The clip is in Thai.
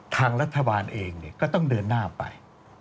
ทางรัฐบาลเองก็ต้องเดินหน้าไป